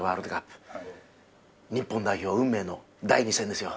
日本代表運命の第２戦ですよ。